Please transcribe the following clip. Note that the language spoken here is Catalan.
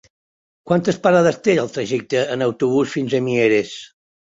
Quantes parades té el trajecte en autobús fins a Mieres?